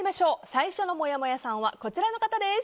最初のもやもやさんはこちらの方です。